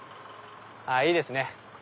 いいですね！